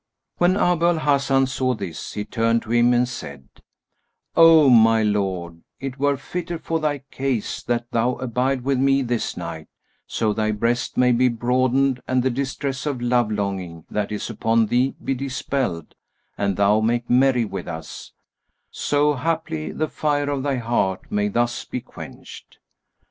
When Abu al Hasan saw this, he turned to him and said, "O my lord, it were fitter for thy case that thou abide with me this night, so thy breast may be broadened and the distress of love longing that is upon thee be dispelled and thou make merry with us, so haply the fire of thy heart may thus be quenched."